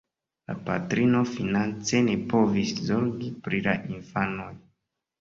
La patrino finance ne povis zorgi pri la infanoj.